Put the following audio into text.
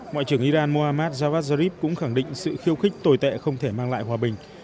ngoại trưởng iran mohammad javad zarif cũng khẳng định sự khiêu khích tồi tệ không thể mang lại hòa bình